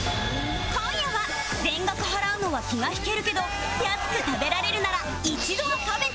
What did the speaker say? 今夜は全額払うのは気が引けるけど安く食べられるなら一度は食べてみたい